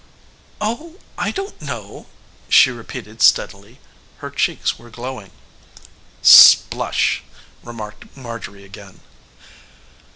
"Oh, I don't know!" she repeated steadily. Her cheeks were glowing. "Splush!" remarked Marjorie again.